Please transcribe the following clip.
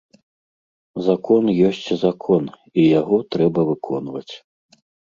Закон ёсць закон, і яго трэба выконваць.